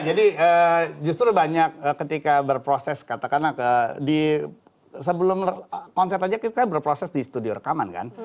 jadi justru banyak ketika berproses katakanlah di sebelum konser aja kita berproses di studio rekaman kan